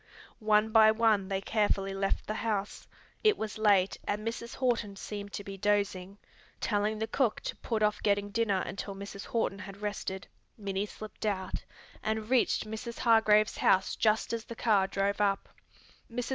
One by one they carefully left the house. It was late, and Mrs. Horton seemed to be dozing. Telling the cook to put off getting dinner until Mrs. Horton had rested, Minnie slipped out, and reached Mrs. Hargrave's house just as the car drove up. Mrs.